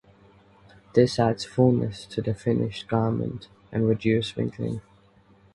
This adds fullness to the finished garment and reduce wrinkling.